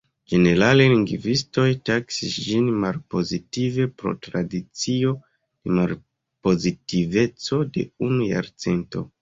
Ĝenerale lingvistoj taksis ĝin malpozitive pro tradicio de malpozitiveco de unu jarcento.